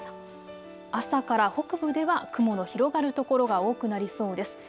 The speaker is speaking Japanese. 朝から北部では雲の広がる所が多くなりそうです。